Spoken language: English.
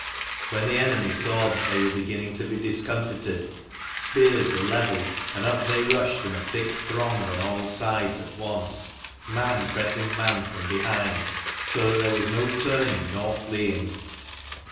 When the enemy saw that they were beginning to be discomfited, spears were levelled, and up they rushed in a thick throng on all sides at once, man pressing man from behind, so that there was no turning nor fleeing.